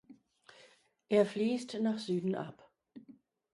Er fließt nach Süden ab.